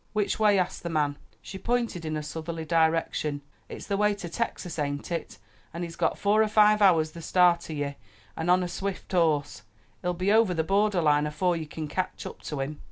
"Which way?" asked the man. She pointed in a southerly direction. "It's the way to Texas, ain't it? an' he's got four or five hours the start o' ye, an' on a swift horse; he'll be over the border line afore ye kin ketch up to him."